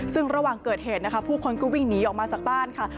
ซึ่งระหว่างเกิดเหตุนะคะผู้คนก็วิ่งหนีออกมาจากบ้านค่ะ